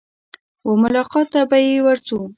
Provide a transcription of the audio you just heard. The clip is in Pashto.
وه ملاقات ته به يې ورځو.